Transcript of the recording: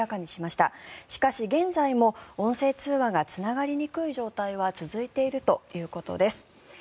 しかし、現在も音声通話がつながりにくい状態は続いているということです。